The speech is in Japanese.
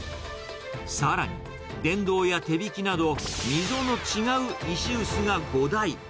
さらに、電動や手びきなど、溝の違う石臼が５台。